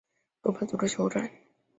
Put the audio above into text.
楼班族的酋长。